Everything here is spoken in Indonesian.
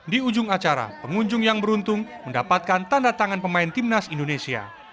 di ujung acara pengunjung yang beruntung mendapatkan tanda tangan pemain timnas indonesia